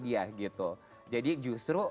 dia jadi justru